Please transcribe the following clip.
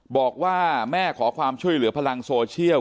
บอกว่าแม่ขอความช่วยเหลือพลังโซเชียล